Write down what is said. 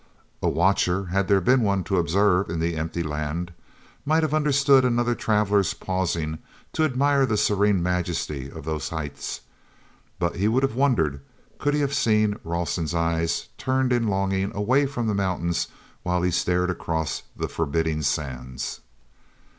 A watcher, had there been one to observe in the empty land, might have understood another traveler's pausing to admire the serene majesty of those heights—but he would have wondered could he have seen Rawson's eyes turned in longing away from the mountains while he stared across the forbidding sands.